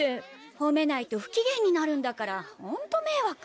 ほめないと不機嫌になるんだからホントめいわく。